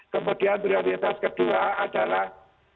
kemudian prioritas kedua adalah